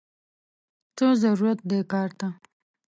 څه ضرورت دې کار ته!!